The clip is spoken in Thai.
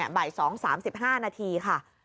บ่าย๒๓๕นาทีค่ะ